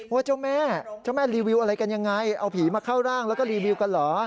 เจ้าแม่เจ้าแม่รีวิวอะไรกันยังไงเอาผีมาเข้าร่างแล้วก็รีวิวกันเหรอ